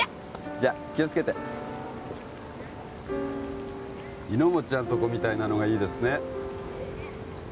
じゃ気をつけていのもっちゃんとこみたいなのがいいですね